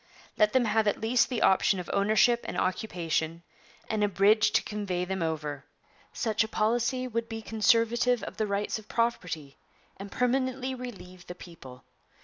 Let them have at least the option of ownership and occupation, and a bridge to convey them over. Such a policy would be conservative of the rights of property and permanently relieve the people.